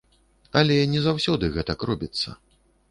Але не заўсёды гэтак робіцца.